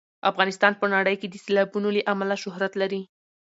افغانستان په نړۍ کې د سیلابونو له امله شهرت لري.